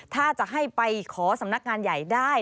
ถ้าจะให้ไปขอสำนักงานใหญ่ได้